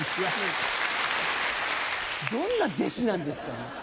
どんな弟子なんですか？